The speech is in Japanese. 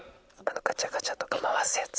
ガチャガチャとか回すやつ。